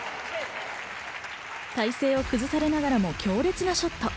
体勢を崩されながらも強烈なショット。